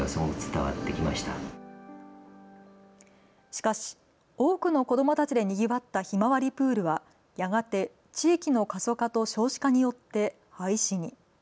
しかし多くの子どもたちでにぎわったひまわりプールはやがて地域の過疎化と少子化によって廃止に。